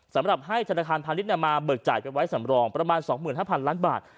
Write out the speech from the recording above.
สำหรับให้ธนาคารพาณิชย์นำมาเบิกจ่ายไปไว้สำรองประมาณ๒๕๐๐ล้านบาท